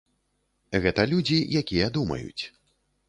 Гэта людзі, якія думаюць.